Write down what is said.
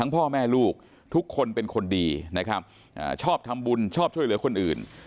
พ่อแม่ลูกทุกคนเป็นคนดีนะครับชอบทำบุญชอบช่วยเหลือคนอื่น